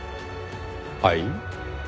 はい？